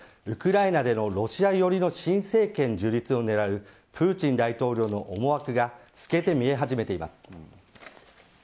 ウクライナでのロシア寄りの新政権樹立を狙うプーチン大統領の思惑が透けて見え始めています。